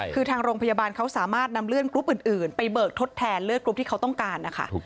คือทางโรงพยาบาลเขาสามารถนำเลื่อนกรุ๊ปอื่นไปเบิกทดแทนเลือดกรุ๊ปที่เขาต้องการนะคะ